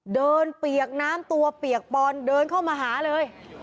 เปียกน้ำตัวเปียกปอนเดินเข้ามาหาเลย